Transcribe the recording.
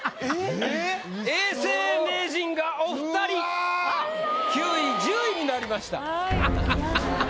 永世名人がお２人９位１０位になりました。